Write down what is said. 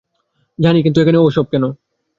জানি, কিন্তু এখানে ও-সব কেন।